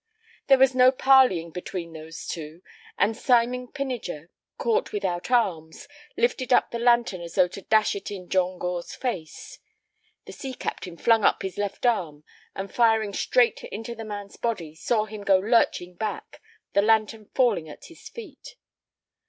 There was no parleying between those two, and Simon Pinniger, caught without arms, lifted up the lantern as though to dash it in John Gore's face. The sea captain flung up his left arm, and firing straight into the man's body, saw him go lurching back, the lantern falling at his feet.